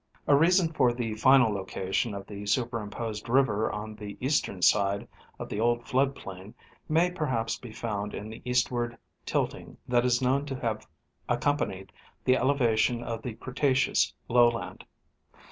A reason for the final location of the superimposed river on the eastern side of the old flood plain may perhaps be found in the eastward tilting that is known to have accompanied the elevation of the Cretace ous lowland.